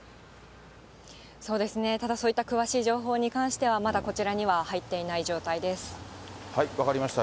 そうですね、ただそういった詳しい情報に関しては、まだこちらには入っていな分かりました。